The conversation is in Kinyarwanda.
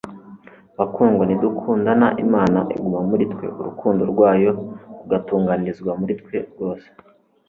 Bakundwa, "nidukundana Imana iguma muri twe, urukundo rwayo rugatunganirizwa muri twe rwose."